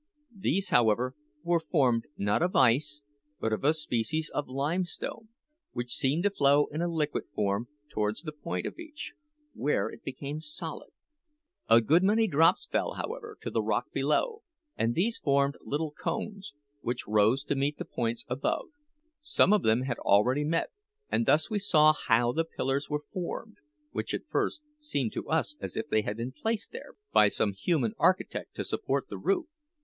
These, however, were formed, not of ice, but of a species of limestone, which seemed to flow in a liquid form towards the point of each, where it became solid. A good many drops fell, however, to the rock below, and these formed little cones, which rose to meet the points above. Some of them had already met, and thus we saw how the pillars were formed, which at first seemed to us as if they had been placed there by some human architect to support the roof.